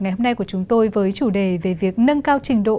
ngày hôm nay của chúng tôi với chủ đề về việc nâng cao trình độ